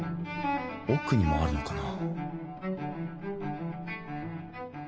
奥にもあるのかな？